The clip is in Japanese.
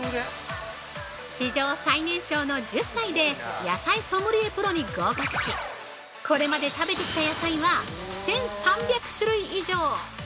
史上最年少の１０歳で野菜ソムリエプロに合格し、これまで食べてきた野菜は１３００種類以上！